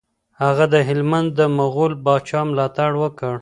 هغه د هند د مغول پاچا ملاتړ وکړ.